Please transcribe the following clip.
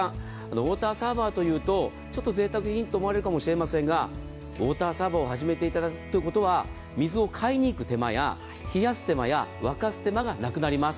ウォーターサーバーというとちょっとぜいたく品と思われるかもしれませんがウォーターサーバーを始めていただくということは水を買いに行く手間や冷やす手間沸かす手間がなくなります。